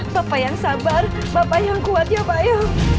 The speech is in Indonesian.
bapak yang sabar bapak yang kuat ya pak ya